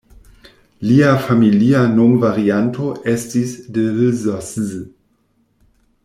Lia familia nomvarianto estis "D’Isoz".